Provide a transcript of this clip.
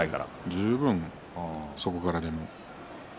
十分そこからでも。